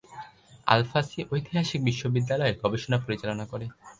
আল-ফাসি ঐতিহাসিক বিশ্ববিদ্যালয়ে গবেষণা পরিচালনা করে।